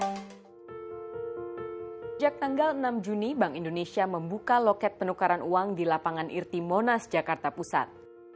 sejak tanggal enam juni bank indonesia membuka loket penukaran uang di lapangan irti monas jakarta pusat